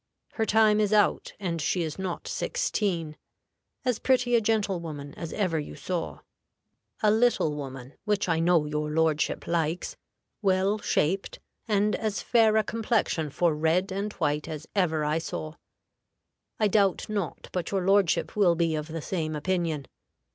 Her time is out, and she is not sixteen: as pretty a gentlewoman as ever you saw; a little woman, which I know your lordship likes; well shaped, and as fair a complexion for red and white as ever I saw. I doubt not but your lordship will be of the same opinion.